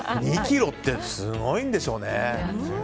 ２ｋｇってすごいんでしょうね。